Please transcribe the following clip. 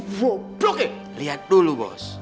rupanya lihat dulu bos